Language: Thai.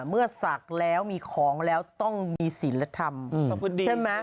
เมื่อศักดิ์แล้วมีของแล้วต้องมีศีลธรรมขอบคุณดีชอบ